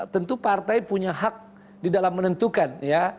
tentu partai punya hak di dalam menentukan ya